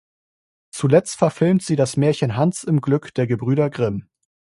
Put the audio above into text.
Zuletzt verfilmt sie das Märchen "Hans im Glück" der Gebrüder Grimm.